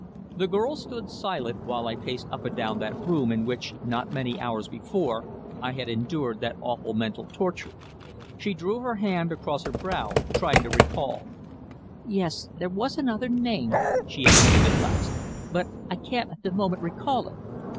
The girl stood silent, while I paced up and down that room in which, not many hours before, I had endured that awful mental torture. She drew her hand across her brow, trying to recall. "Yes, there was another name," she admitted at last, "but I can't at the moment recall it."